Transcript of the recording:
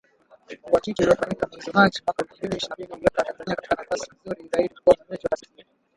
Uhakiki uliofanyika mwezi Machi, mwaka elfu mbili ishirini na mbili, uliiweka Tanzania katika nafasi nzuri zaidi kuwa mwenyeji wa taasisi hiyo